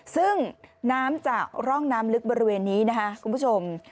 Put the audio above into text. ซึ่งน้ำจากร่องน้ำลึกบริเวณนี้นะคะคุณผู้ชม